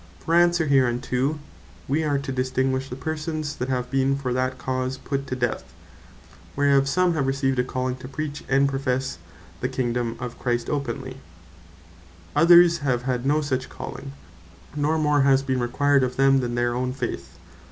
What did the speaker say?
For answer hereunto, we are to distinguish the persons that have been for that cause put to death; whereof some have received a Calling to preach, and professe the Kingdome of Christ openly; others have had no such Calling, nor more has been required of them than their owne faith.